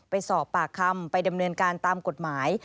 ไปสอบปากคำไปดำเนินการตามกฎหมาย